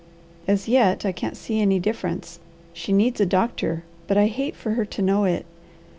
As yet I can't see any difference. She needs a doctor, but I hate for her to know it.